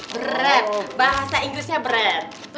bread bahasa inggrisnya bread